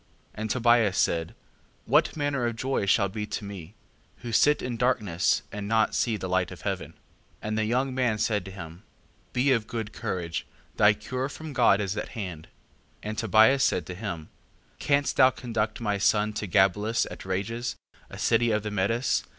5:12. And Tobias said: What manner of joy shall be to me, who sit in darkness and see not the light of heaven? 5:13. And the young man said to him: Be of good courage, thy cure from God is at hand. 5:14. And Tobias said to him: Canst thou conduct my son to Gabelus at Rages, a city of the Medes?